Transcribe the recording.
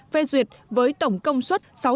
phê duyệt với tổng công suất sáu trăm ba mươi hai mw